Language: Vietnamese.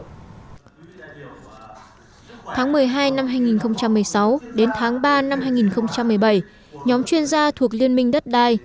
tháng một mươi hai năm hai nghìn một mươi sáu đến tháng ba năm hai nghìn một mươi bảy nhóm chuyên gia thuộc liên minh đất đai